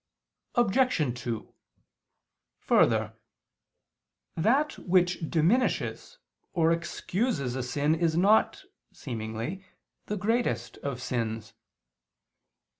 Obj. 2: Further, that which diminishes or excuses a sin is not, seemingly, the greatest of sins.